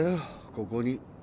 ここに。